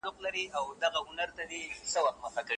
لګښتونه مې په منظم ډول ثبت کړل.